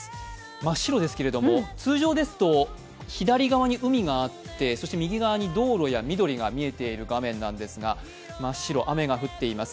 真っ白ですけど、通常ですと左側に海があってそして右側に道路や緑が見えている画面なんですが、真っ白、雨が降っています。